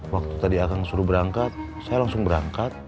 waktu tadi akan suruh berangkat saya langsung berangkat